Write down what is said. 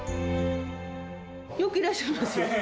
よくいらっしゃいますよ。